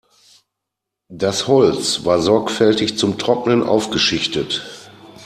Das Holz war sorgfältig zum Trocknen aufgeschichtet.